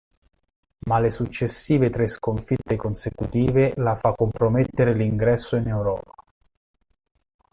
Ma le successive tre sconfitte consecutive la fa compromettere l'ingresso in Europa.